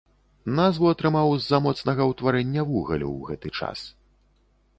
Назву атрымаў з-за моцнага ўтварэння вугалю ў гэты час.